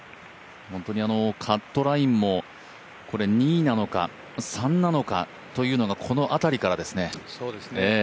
本当に、カットラインも２なのか３なのかというのがこの辺りからですね。